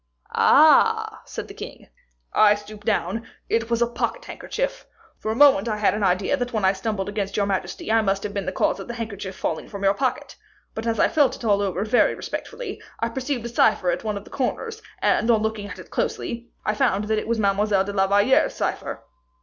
"Ah!" said the king. "I stooped down, it was a pocket handkerchief. For a moment I had an idea that when I stumbled against your majesty I must have been the cause of the handkerchief falling from your pocket; but as I felt it all over very respectfully, I perceived a cipher at one of the corners, and, on looking at it closely, I found that it was Mademoiselle de la Valliere's cipher.